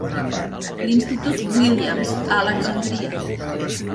L'institut Williams a Alexandria.